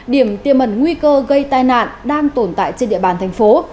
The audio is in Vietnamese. điểm tiềm ẩn nguy cơ gây tai nạn đang tồn tại trên địa bàn tp